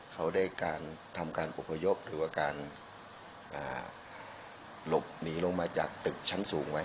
เขาได้การทำการอบพยพหรือว่าการหลบหนีลงมาจากตึกชั้นสูงไว้